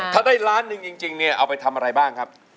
ถ้าได้ล้านหนึ่งจริงเนี่ยเอาไปทำอะไรบ้างครับ